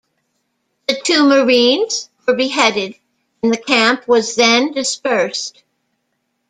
The two marines were beheaded and the camp was then dispersed.